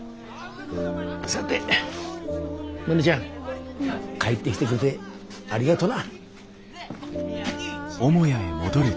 さてモネちゃん帰ってきてくれてありがとな。